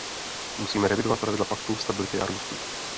Musíme revidovat pravidla Paktu stability a růstu.